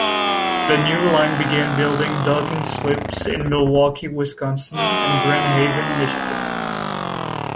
The new line began building docking slips in Milwaukee, Wisconsin and Grand Haven, Michigan.